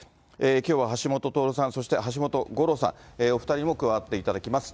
きょうは橋下徹さん、そして橋本五郎さん、お２人にも加わっていただきます。